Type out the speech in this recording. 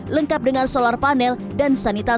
lengkap dengan solar panel dan sanitasi